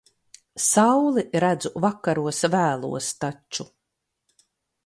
Sauli redzu vakaros vēlos taču.